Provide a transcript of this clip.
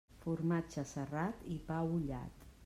Formatge serrat i pa ullat.